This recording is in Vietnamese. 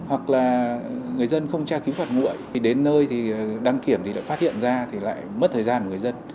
hoặc là người dân không tra cứu phạt nguội thì đến nơi thì đăng kiểm thì đã phát hiện ra thì lại mất thời gian của người dân